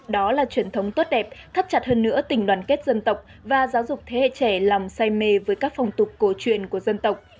đó là truyền thống tốt đẹp thắt chặt hơn nữa tình đoàn kết dân tộc và giáo dục thế hệ trẻ lòng say mê với các phòng tục cổ truyền của dân tộc